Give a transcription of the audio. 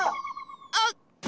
あっ！